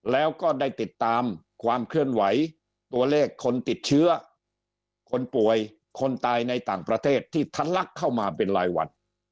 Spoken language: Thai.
แล้วก็ได้ติดตามความเคลื่อนไหวตัวเลขคนติดเชื้อคนป่วยคนตายในต่างประเทศที่ทันลักเข้ามาเป็นรายวัน